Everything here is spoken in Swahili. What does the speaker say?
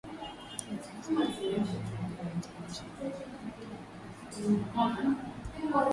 Lugha rasmi ni lugha inayotumika katika shughuli za kiofisi ama ya wakati wa mawasiliano rasmi katika taifa fulani.